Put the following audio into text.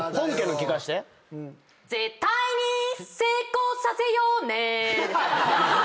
絶対に成功させようね。